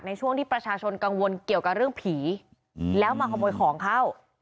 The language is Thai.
ในช่วงที่ประชาชนกังวลเกี่ยวกับเรื่องผีแล้วมาขโมยของเข้า